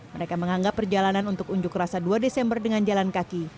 mereka menganggap perjalanan untuk unjuk rasa dua desember dengan jalan kaki